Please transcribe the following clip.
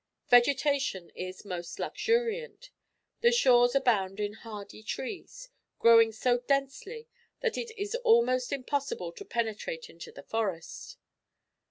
Vegetation is most luxuriant, the shores abound in hardy trees, growing so densely that it is almost impossible to penetrate into the forest.